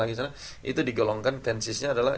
itu digolongkan tensesnya adalah